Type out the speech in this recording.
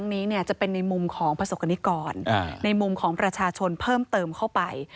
ในมุมของประชาชนเพิ่มเติมเข้าไป